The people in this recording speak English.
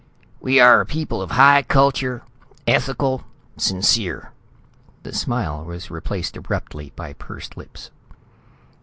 "We are a people of high culture, ethical, sincere." The smile was replaced abruptly by pursed lips.